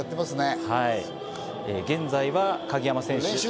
現在は鍵山選手。